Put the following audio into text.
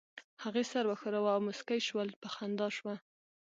هغې سر وښوراوه او موسکۍ شول، په خندا شوه.